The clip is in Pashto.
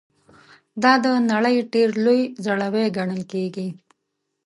دا د نړۍ ډېر لوړ ځړوی ګڼل کیږي.